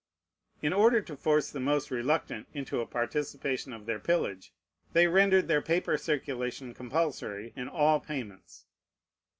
In order to force the most reluctant into a participation of their pillage, they rendered their paper circulation compulsory in all payments.